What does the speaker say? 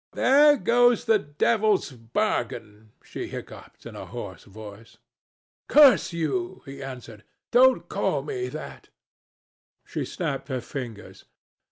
"There goes the devil's bargain!" she hiccoughed, in a hoarse voice. "Curse you!" he answered, "don't call me that." She snapped her fingers.